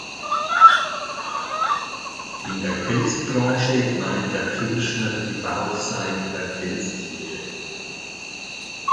In der Pelzbranche meint der Kürschner die Bauchseite der Pelztiere.